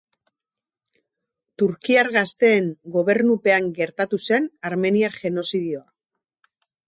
Turkiar Gazteen gobernupean gertatu zen Armeniar genozidioa.